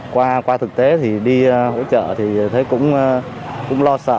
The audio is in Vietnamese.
qua qua thực tế thì đi hỗ trợ thì thấy cũng lo sợ